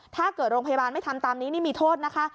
ถ้าเกิดโรงพยาบาลไม่ทำตามนี้นี่มีโทษนะคะ